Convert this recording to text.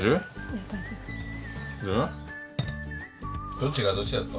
どっちがどっちだった？